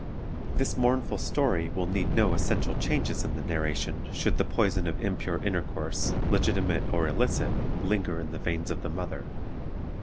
"This mournful story will need no essential changes in the narration, should the poison of impure intercourse, legitimate or illicit, linger in the veins of the mother.